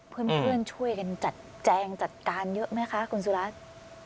เพื่อนช่วยกันจัดแจงจัดการเยอะไหมคะคุณสุรัตน์